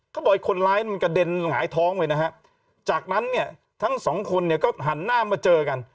บอกคนร้ายมันกระเด็นหงายท้องไปนะฮะจากนั้นเนี่ยทั้งสองคนเนี่ยก็หันหน้ามาเจอกัน